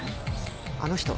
あの人は？